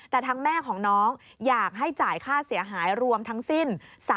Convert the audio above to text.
แต่ทั้งแม่ของน้องอยากให้จ่ายค่าเสียหายรวมทั้งสิ้น